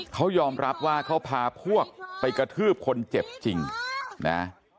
เขายอมรับว่าเขาพาพวกไปกระทืบคนเจ็บจริงนะ